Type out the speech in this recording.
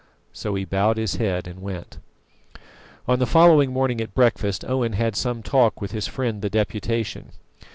So he bowed his head and went. On the following morning at breakfast Owen had some talk with his friend the Deputation.